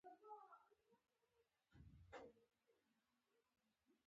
خلکو په پلازمېنه اکرا کې پاڅون وکړ.